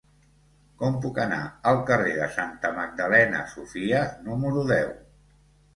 Com puc anar al carrer de Santa Magdalena Sofia número deu?